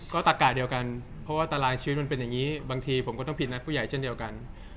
ก็ตักกะเดียวกันเพราะว่าตรายชีวิตมันเป็นอย่างนี้บางทีผมก็ต้องผิดนัดผู้ใหญ่เช่นเดียวกัน